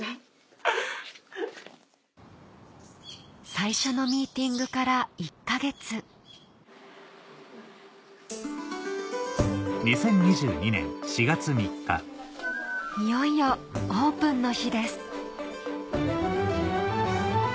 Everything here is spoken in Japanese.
最初のミーティングから１か月いよいよオープンの日です